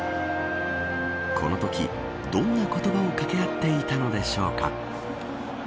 このとき、どんな言葉を掛け合っていたのでしょうか。